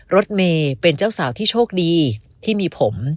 รถเมย์เป็นเจ้าสาวที่โชคดีที่มีผม